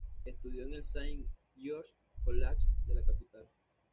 Estudió en el Saint George's College de la capital.